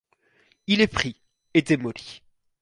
Il est pris et démoli.